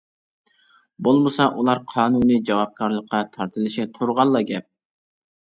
بولمىسا ئۇلار قانۇنىي جاۋابكارلىققا تارتىلىشى تۇرغانلا گەپ.